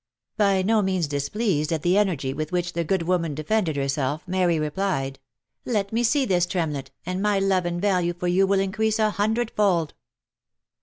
By no means displeased at the energy with which the good woman defended herself, Mary replied, " Let me see this, Tremlett, and my love and value for you will increase a hundred fold."